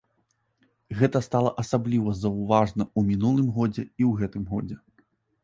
Гэта стала асабліва заўважна ў мінулым годзе, і ў гэтым годзе.